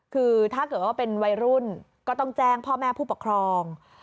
คือถ้าเกิดว่าเป็นวัยรุ่นก็ต้องแจ้งพ่อแม่ผู้ปกครอง